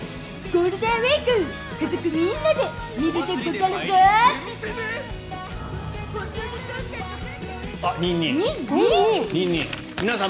ゴールデンウィーク家族みんなで見るでござるゾ。